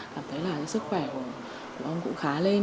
cảm thấy là sức khỏe của ông cũng khá lên